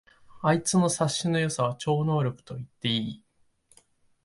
あいつの察しの良さは超能力と言っていい